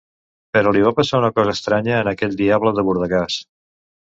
Però li va passar una cosa estranya en aquell diable de bordegàs